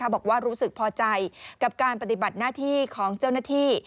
บอกว่ารู้สึกพอใจกับการปฏิบัติหน้าที่ของเจ้าหน้าที่